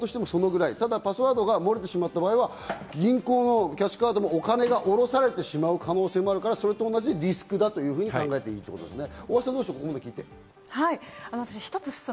情報も同じぐらい、パスワードが漏れてしまった場合は、銀行のキャッシュカードのお金がおろされてしまう可能性もあるから、それと同じリスクだというふうに考えていいということですね。